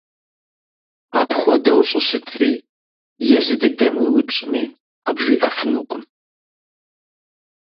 Апхуэдэу щӀыщытри езы дыдэм уеупщӀми къыбжиӀэфынукъым.